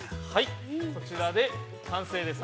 ◆こちらで完成です。